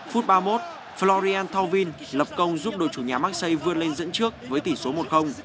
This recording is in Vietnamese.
phút ba mươi một florian thauvin lập công giúp đội chủ nhà maxei vươn lên dẫn trước với tỷ số một